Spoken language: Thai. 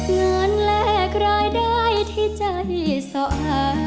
งานแลกรายได้ที่ใจสะอา